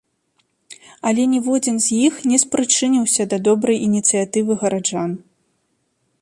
Але ніводзін з іх не спрычыніўся да добрай ініцыятывы гараджан.